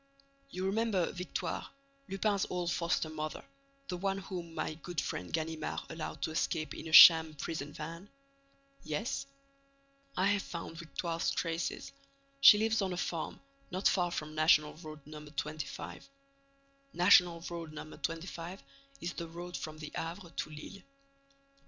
"You remember Victoire, Lupin's old foster mother, the one whom my good friend Ganimard allowed to escape in a sham prison van?" "Yes." "I have found Victoire's traces. She lives on a farm, not far from National Road No. 25. National Road No. 25 is the road from the Havre to Lille.